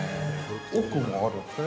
◆奥もあるんですね。